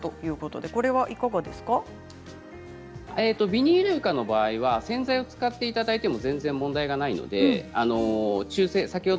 ビニール床の場合は洗剤を使っていただいても全然、問題がありません。